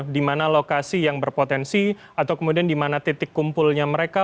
di mana lokasi yang berpotensi atau kemudian di mana titik kumpulnya mereka